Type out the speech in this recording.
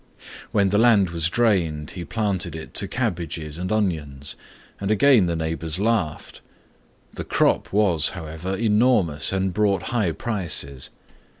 When the land was drained he planted it to cabbages and onions, and again the neighbors laughed. The crop was, however, enormous and brought high prices.